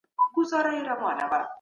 د مچانو د مخنیوي لپاره خواړه پټ وساتئ.